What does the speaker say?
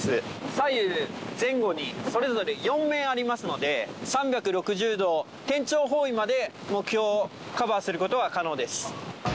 左右前後にそれぞれ４面ありますので、３６０度、天頂方位まで、目標をカバーすることが可能です。